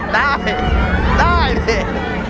ได้ได้ดิ